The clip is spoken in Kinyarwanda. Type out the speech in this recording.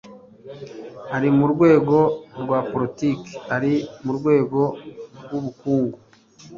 ari mu rwego rwa politiki, ari mu rwego rw'ubukungu